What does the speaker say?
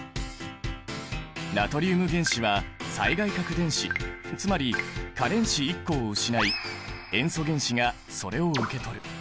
ナトリウム原子は最外殻電子つまり価電子１個を失い塩素原子がそれを受け取る。